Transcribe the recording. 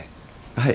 はい。